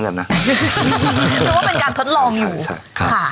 นึกว่าเป็นการทดลองอยู่ค่ะค่ะค่ะค่ะ